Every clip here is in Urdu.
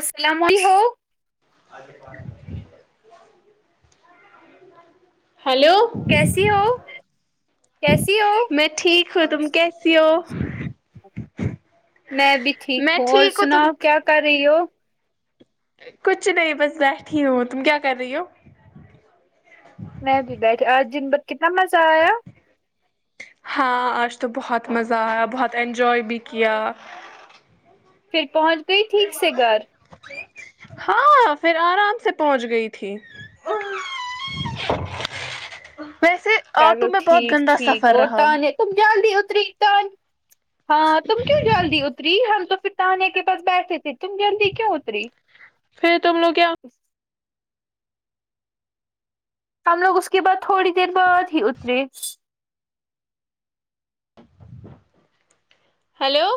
السلام علیکم ہیلو کیسی ہو کیسی ہو میں ٹھیک ہوں تم کیسی ہو میں بھی ٹھیک میں ہوں اور ٹھیک تم سناؤ کیا کر رہی ہو کچھ نہیں بس بیٹھی ہو تم کیا کر رہی ہو میں بھی بیٹھی آج دن بھر کتنا مزہ آیا ہاں آج تو بہت مزہ آیا بہت انجوائے بھی کیا پھر پہنچ گئی ٹھیک سے گھر ہاں پھر آرام سے پہنچ گئی تھی ویسے چلو آٹو میں بہت ٹھیک گندا ٹھیک سفر اور رہا تانے تم جلدی اتری ٹرن ہاں تم کیوں جلدی اتری ہم تو پسانے کے پاس بیٹھے تھے تم جلدی کیوں اتری پھر تم لوگ کیا ہم لوگ اس کے بعد تھوڑی دیر بعد ہی اترے ہیلو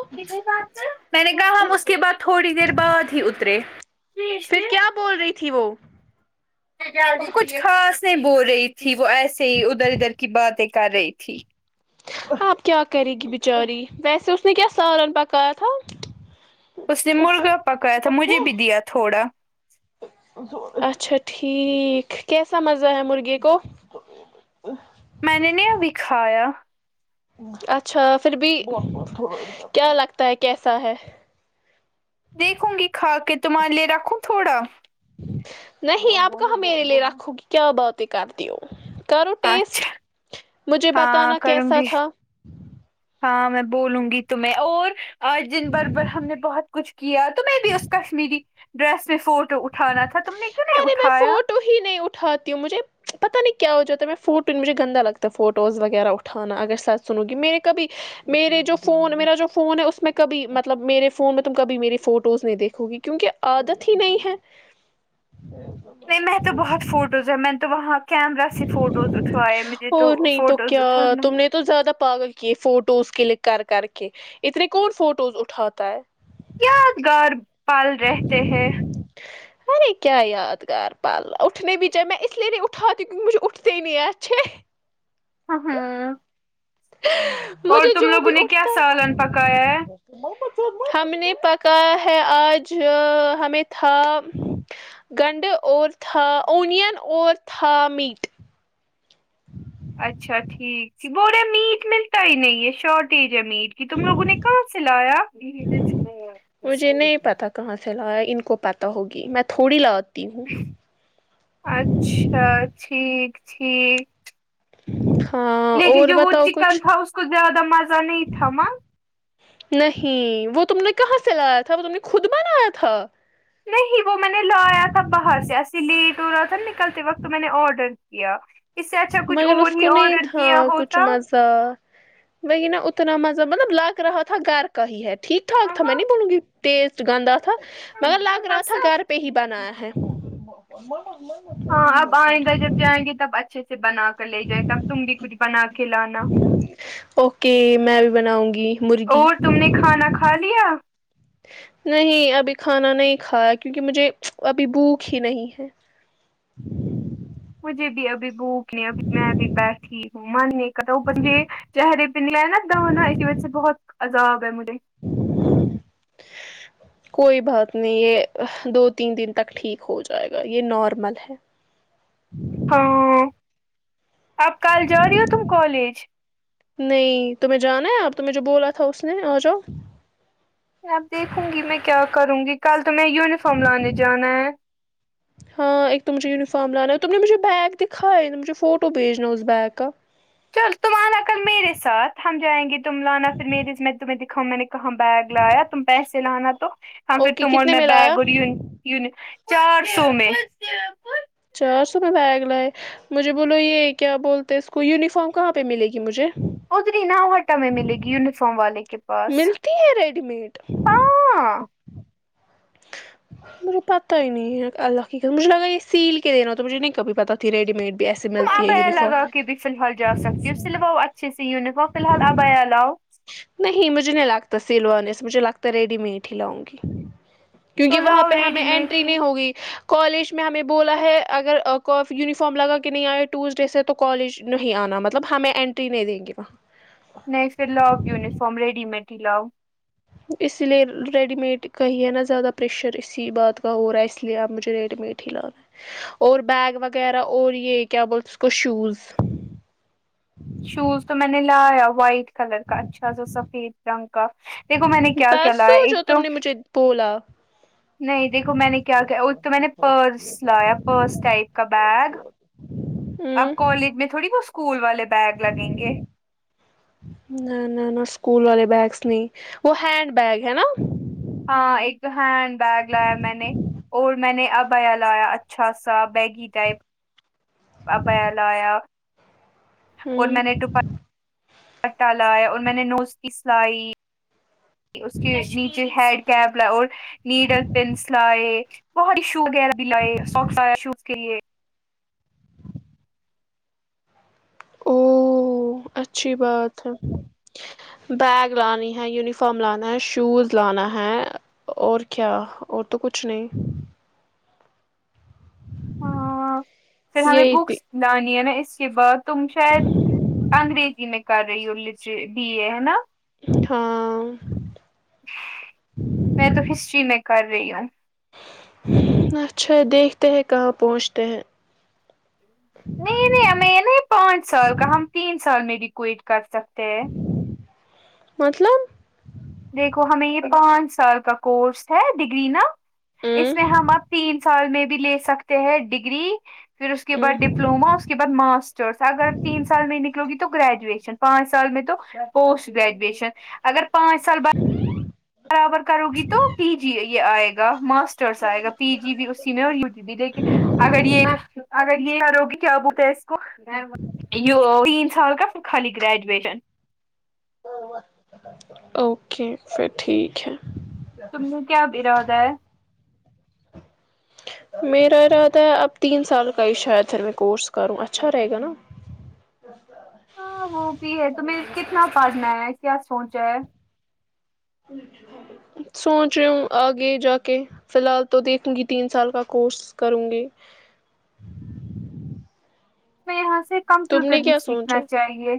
میں نے کہا ہم اس کے بعد تھوڑی دیر بعد ہی اترے پھر کیا بول رہی تھی وہ بہ کچھ خاص نہیں بول رہی تھی وہ ایسے ہی ادھر ادھر کی باتیں کر رہی تھی اب کیا کرے گی بچاری ویسے اس نے کیا سالن پکایا تھا اس نے مرغا پکایا تھا مجھے بھی دیا تھوڑا اچھا ٹھیک کیسا مزہ ہے مرغے کو میں نے نی ابھی کھایا اچھا پھر بھی کیا لگتا ہے کیسا ہے دیکھوں گی کھا کے تمہارے لیے رکھوں تھوڑا نہیں آپ کہاں میرے لیے رکھو گی کیا باتیں کرتی ہو کرو ٹیسٹ اچھا مجھے ہاں بتانا کروں کیسا گی تھا ہاں میں بولوں گی تمہیں اور آج دن بھر بھر ہم نے بہت کچھ کیا تو میں بھی اس کشمیری ڈریس میں فوٹو اٹھانا تھا تم نے کیوں نہیں اٹھایا کبھی نہیں اٹھاتی ہوں مجھے پتہ نہیں کیا ہو جواتتا ہے میں فوٹو مجھے گندا لگتا ہے فوٹوز وغیرہ اٹھانا اگر سچ سنو گی میں نے کبھی میرے جو فون میرا جو فون ہے اس میں کبھی مطلب میرے فون میں تم کبھی میری فوٹوز نہیں دیکھو گی کیونکہ عادت ہی نہیں ہے [unintelligible] نہیں میں تو بہت فوٹوز ہے میں نے تو وہاں کیمرا سے فوٹوز اٹھوائے مجھے تو اور نہیں فوٹوز کیا اٹ تم نے تو زیادہ پاگل کیے فوٹوز کلک کر کر کے اتنے کون فوٹوز اٹھاتا ہے یادگار پال رہتے ہیں ارے کیا یادگار پالا اٹھنے بھی چاہے میں اس لیے نہیں اٹھاتی ہوں کیونکہ مجھے اٹھتے ہی نہیں ہیں اچھے ہمم ہاں اور مجھے تم جو لوگوں بھی نے کیا اٹھتا ہے سالن پکایا ہے ہم نے پکایہ ہے آج ہمیں تھا گنڈ اور تھا اونین اور تھا میٹ اچھا ٹھیک بول رہے میٹ ملتا ہی نہیں ہے شارٹیج ہے میٹ یہ تم لوگوں نے کہا سے لایا مجھے نہیں پتا کہاں سے لایا ان کو پت تا ہوگی میں تھوڑی لاتی ہوں اچھا ٹھیک ٹھیک ہاں لیکن اور جو وہ بتاؤ چکن کچھ تھا اس کو زیادہ مزہ نہیں تھا ماں نہیں وہ تم نے کہاں سے لایا تھا وہ تم نے خود بنایا تھا نہیں وہ میں نے لایا تھا باہر سے ایسے لیٹ ہو رہا تھا نا نکلتے وقت میں نے آرڈر کیا اس سے اچھا کچھ اور ہی آڈر تھا کیا کچھ ہوتا سا نہیں نا اتنا مزہ مطلب لگ رہا تھا گھر کا ہی ہے ٹھیک ٹھاک ہاں تھا میں نہیں بولوں گی ٹیسٹ گندا تھا مگر لگ رہا تھا گھر پہ ہی بنایا ہے ہاں اب آئیں گا جب جائیں گے تب اچھے سے بنا کر لے جائیںے تب تم بھی کچھ بنا کے لانا اوکے میں بھی بناؤں گی مرغی اور تم نے کھانا کھا لیا نہیں ابھی کھانا نہیں کھایا کیونکہ مجھے ابھی بھوک ہی نہیں ہے مجھے بھی ابھی بھوک نہیں ابھی میں بھی بیٹھی من نہیں کر اوپر سے یہ چہرے پہ نہیں لایا دانا اسی وجہ سے بہت عذاب ہے مجھے [inaudible] کوئی بات نہیں یہ دو تین دن تک ٹھیک ہو جائے گا یہ نارمل ہے ہاں اب کل جا رہی ہو تم کالج نہیں تمہیں جانا ہے آپ تمہیں جو بولا تھا اس نے آ جاؤ اب دیکھوں گی میں کیا کروں گی کل تمہیں یونیفارم لانے جانا ہے ہاں ایک تو مجھے یونیفارم لانا ہے تم نے مجھے بیگ دکھائے ہے نا مجھے فوٹو بھیجنا اس بیگ کا چل تم آنا کل میرے ساتھ ہم جائیں گے تم لانا پھر میری میں تمہیں دکھاؤ میں نے کہاں بیگ لایا تم پیسے لانا تو پھر اوکے تم اور کتنے میں لایا بیگ اوری یونی چار سو میں چار سو میں بیگ لائے مجھے بولو یہ کیا بولتے ہیں اس کو یونیفارم کہاں پہ ملے گی مجھے ادری نا وہ ٹمیں ملے گی ینیفارم والے کے پاس ملتی ہے ریڈی میڈ ہاں [inaudible] مجھے پتا ہی نہیں ہے اللہ کی مجھے لگا یہ سیل کے دینا تو مجھے نہیں کبھی پتا تھی ریڈی میڈ پے ایسے ملتی ہے یونیفارم فلحال جا سکتی ہو سلواؤ اچھے سے یونیفارم فلحال ابایا لاؤ نہیں مجھے نہیں لگتا سلوانے سے مجھے لگتا ریڈی میڈ ہی لاؤں گی تو کیونکہ وہاں لاؤ پہ ریڈی ہمیں میڈ اینٹری ہی نہیں ہوگی کالج میں ہمیں بولا ہے اگر کو فی یونیفارم لگا کے نہیں آئے ٹیوزڈاے سے تو کالج نہی آنا مطلب ہمیں انٹری نہی دینگے وہاں نہیں پھر لاؤ یونیفارم ریڈی میڈ ہی لاؤ اسی لیے ریڈی میڈ کا ہی ہے نا زیادہ پریشر اسی بات کا ہو رہا ہے اس لیے اب مجھے ریڈی میڈ لاو اور بیگ وغیرہ اور یہ کیا بول اس کو شوز شوز تو میں نے لایا وائٹ کلر کا اچھا جو سفید رنگ کا دیکھو میں نے کیا کیا لایا ہے ایک تو تو لا [inaudible] نہیں دیکھو میں نے کیا کیا وہ تو میں نے پرس لایا پرس ٹائپ کا بیگ اب ہ کالج میں تھوڑی وہ اسکول والے بیگ لگیں گے نہ نہ نہ اسکول والے بیگس نہیں وہ ہینڈ بیگ ہے نا ہاں ایک تو ہینڈ بیگ لایا میں نے اور میں نے عبایا لایا اچھا سا بیگی ٹائپ عبایا لایا ہ اور میں نے ڈو پٹا لایا اور میں نے نوز پیس لائی اس کے نیچے ہیڈ کیپ لائے اور نیڈل پنس لائے بہت ہی شو وغیرہ لائے سوکس آیا شوز کے لئے او اچھی بات ہے بیگ لانی ہے یونیفارم لانا ہے شوز لانا ہے اور کیا اور تو کچھ نہیں ہاں پھر ہمیں یہی تھی بکس لانی ہے نا اس کے بعد تم شاید انگریزی میں کر رہی لیچ بی اے ہے نا ہاں میں تو ہسٹری میں کر رہی ہوں اچھا دیکھتے ہیں کہاں پہنچتے ہیں نہیں نہیں ہمیں نہیں پانچ سال کا ہم تین سال میں بھی کوئٹ کر سکتے ہیں مطلب دیکھو ہمیں یہ پانچ سال کا کورس ہے ڈگری نا اس میں ہم اب تین سال میں بھی لے سکتے ہیں ڈگری پھر اس کے بعد ڈپلوما اس کے بعد ماسٹرس اگر تین سال میں نکلو گی تو تو گریجویشن پانچ سال میں تو پوسٹ گریجویشن اگر پانچ سال ب برابر کرو گی تو پی جی یہ آئے گا ماسٹرس آئے گا پی جی بھی اسی میں اور یو جی بھی لیک کے اگر یہ اگر یہ کرو گی کیا بتا ہے اس کو ائیو تین سال کا پھر خالی گریجویشن او اوکے پھر ٹھیک ہے تم نے کیا ارادہ ہے میرا ارادہ ہے اب تین سال کا ہی شاید پھر میں کورس کروں اچھا رہے گا نا ہاں وہ بھی ہے تمہیں کتنا پڑنا ہے کیا سوچا ہے سوچ رہی ہو آگے جا کے فی الحال تو دیکھوں گی تین سال کا کورس کروں گی میں یہاں سے تم کمپیوٹر نے بھی کیا سوچا سیکھنا چاہیے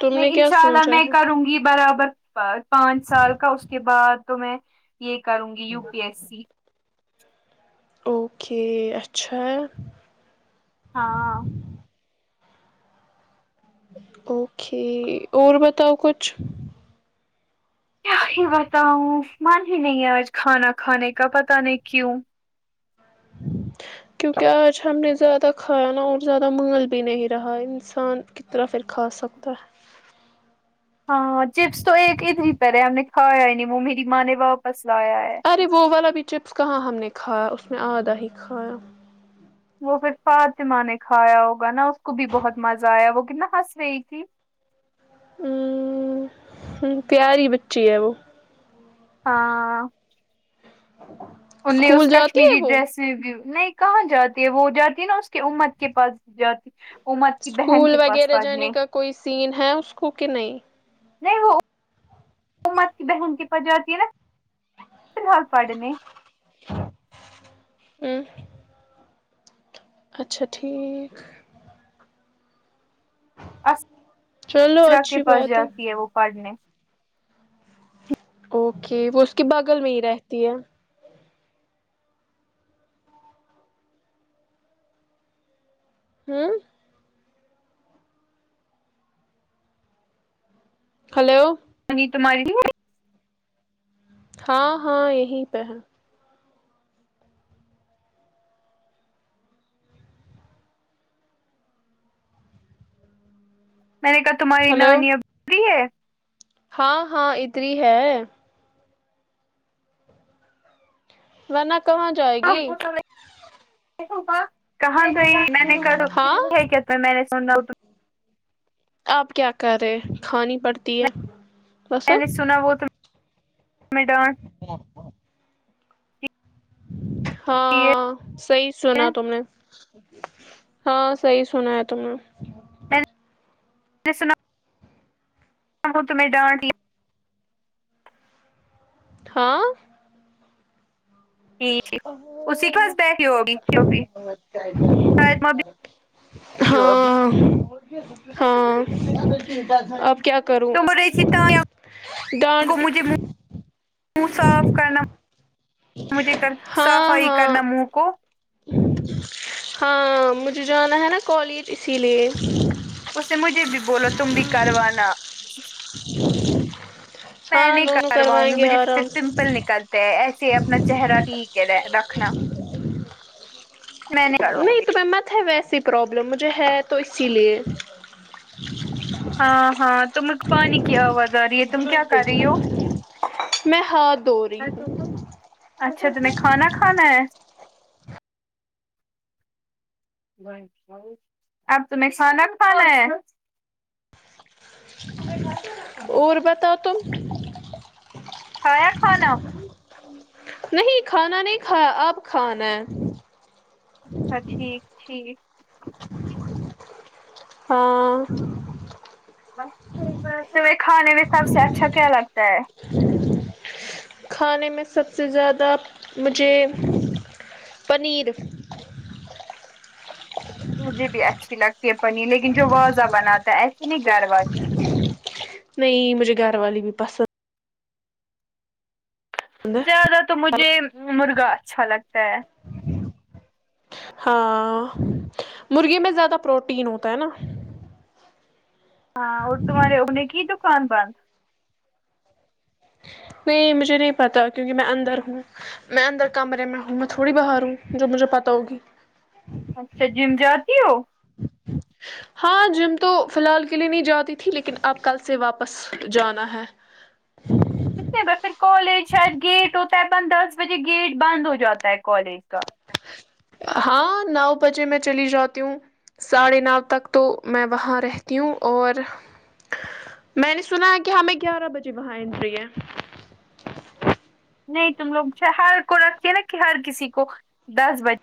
تم نے نہیں کیا انشاء اللہ سوچا میں ہے کروں گی برابر پر پانچ سال کا اس کے بعد تو میں یہ کروں گی U P S C okay اچھا ہے ہاں اوکے اور بتاؤ کچھ کیا ہی بتاؤ من ہی نہیں ہے آج کھانا کھانے کا پتا نہیں کیوں کیونکہ آج ہم نے زیادہ کھایا نا اور زیادہ مول بھی نہیں رہا انسان تو پھر کھا سکتا ہے ہاں ہاں چپس تو ایک ادھر ہی پر ہے ہم نے کھایا ہی نہیں وہ میری ماں نے واپس لایا ہے ارے وہ والا بھی چپس کہاں ہم نے کھایا اس میں آدھا ہی کھایا وہ پھر فاطمہ نے کھایا ہوگا نا اس کو بھی بہت مزہ آیا وہ کتنا ہنس رہی تھی ہوں ہوں پیاری بچی ہے وہ ہاں ان نے اس اسکول جاتی ہے کشمیری وہ ڈریس نہیں کہاں جاتی ہے وہ جاتی ہے نا اس کے امت کے پاس جاتی [unintelligible] بہن اسکول کے پاس وغیرہ پڑھنے جانے کا کوئی سین ہے اس کو کہ نہیں نہیں وہ امت کی بہن کے پاس جاتی نا فی الحال پڑھنے اوں اچھا ٹھیک چلو اسرا کے اچھی پاس بات جاتی ہے وہ پڑھنے اوکے وہ اس کے بغل میں ہی رہتی ہے ہوں ہلو منی تمہاری نہیں آی ہاں ہاں یہیں پہ ہے میں نے کہا تمہاری ہلو نانی اب فری ہے ہاں ہاں ادھر ہی ہے ورنہ کہاں جائے گی کہاں گئی میں نے ہاں [unintelligible] آپ کیا کر رہے کھانی پڑتی ہے بس میں نے سنا وہ تمہیں میں ڈانٹ [inaudible] ہاں صحیح رہے سنا ہیں، تم نے ہاں صحیح سنا ہے تم نے میں نے سنا وہ تمھیں ڈانٹی ہاں جی جی اسی کے پاس بیٹھی ہو گی جو بھی شم ہاں ہاں آپ کیا کروں تو مرہے ستایب ڈانٹ کو بھی مجھے منہ صاف کرنا مجھے تر ہاں صفائی ہاں کرنا منہ کو ہاں مجھے جانا ہے نا کالج اسی لیے اس نے مجھے بھی بولا تم بھی کروانا میں ہاں نہیں دونوں کرواؤں گی کروائیں گے مجھے پھر آرام سے پمپل نکل تے ہے ایسے اپنا چہرہ ٹھیک رہ رکھنا میں کرواؤں نہیں گی تمہیں مت ہے ویسیے پرابلم مجھے ہے تو اسی لیے ہاں ہاں تمگ پانی کی آواز آرہی ہے تم کیا کررہی ہو میں ہات دوری ہوں اچھا تمہیں کھانا کھانا ہے اب تمہیں کھانا کھانا ہے اور بتاؤ تم کھایا کھانا نہیں کھانا نہیں کھایا اب کھانا ہے ہاں ٹھیک ٹھیک ہاں بس [unintelligible] تمہیں کھانے میں سب سے اچھا کیا لگتا ہے کھانے میں سب سے زیادہ مجھے پنیر مجھے بھی اچھی لگتی ہے پنیر لیکن جو واضہ بناتا ہے ایسے نہیں گھر والی نہیں مجھے گھر والی بھی پسند زیادہ تو مجھے مرغا اچھا لگتا ہے ہاں مرغی میں زیادہ پروٹین ہوتا ہے نا ہاں اور تمہارے اگنے کی دکان بند نہیں مجھے نہیں پتا کیونکہ میں اندر ہوں میں اندر کمرے میں ہوں میں تھوڑی باہر ہوں جو مجھے پتاہ ہوگی اچھا جیم جاتی ہو ہاں جم تو فی الحال کے لیے نہیں جاتی تھی لیکن آپ کل سے واپس جانا ہے کتنے ب پھر کالج شاید گیٹ ہوتا ہے بند دس بجے گیٹ بند ہو جاتا ہے کالج کا ہاں نو بجے میں چلی جاتی ہوں ساڑھے نو تک تو میں وہاں رہتی ہوں اور میں نے سنا ہے کہ ہمیں گیارہ بجے وہاں انٹری ہے نہیں تم لوگ ہر کو رکھتی ہے نا کہ ہر کسی کو دس بج